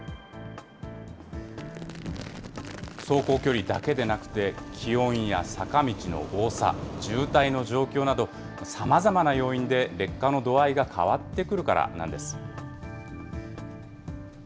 走行距離だけでなくて気温や坂道の多さ、渋滞の状況など、さまざまな要因で劣化の度合いが変わってくるからなんです。